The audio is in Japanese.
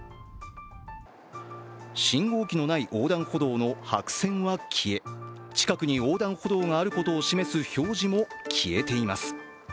信号機のない横断歩道の白線は消え近くに横断歩道があることを示す表示も消えています。